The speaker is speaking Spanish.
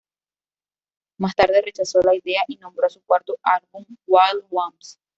Más tarde rechazó la idea, y nombró a su cuarto álbum "Wild Ones".